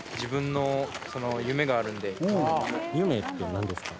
夢って何ですか？